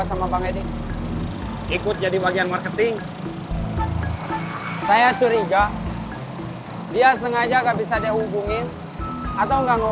sama buat saya juga